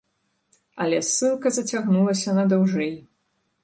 Але ссылка зацягнулася надаўжэй.